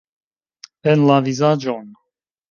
En la vizaĝon!